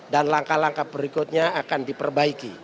dan langkah langkah berikutnya akan diperbaiki